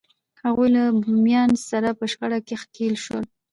هغوی له بومیانو سره په شخړه کې ښکېل شول.